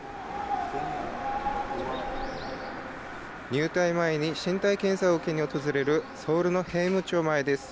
入隊前に身体検査を受けに訪れるソウルの兵務庁前です。